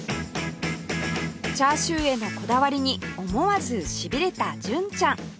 チャーシューへのこだわりに思わずしびれた純ちゃん